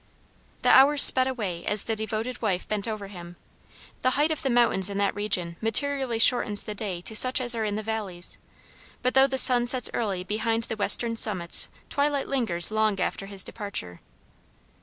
The hours sped away as the devoted wife bent over him; the height of the mountains in that region materially shortens the day to such as are in the valleys, but though the sun sets early behind the western summits twilight lingers long after his departure.